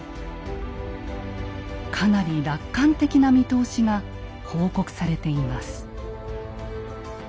かなり楽観的な見通しが報告されています。